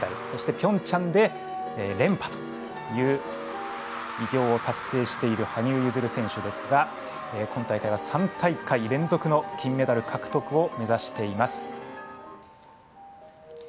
そしてピョンチャンで連覇という偉業を達成している羽生結弦選手ですが今大会は３大会連続の金メダル獲得を目指しています。